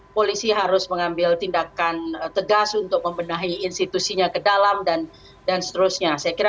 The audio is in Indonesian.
polisi harus mengambil tindakan tegas untuk membenahi institusinya ke dalam dan seterusnya